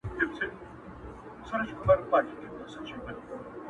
شاهدان كه د چا ډېر وه د ظلمونو.!